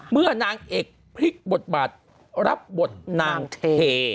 นางเอกพลิกบทบาทรับบทนางเท